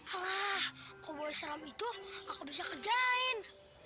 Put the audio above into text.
wah koboi seram itu aku bisa kerjain